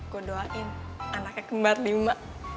gue doain anaknya kembar lima